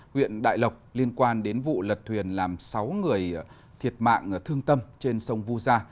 huyện đại lộc liên quan đến vụ lật thuyền làm sáu người thiệt mạng thương tâm trên sông vu gia